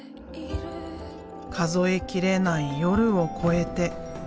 数えきれない夜を超えて。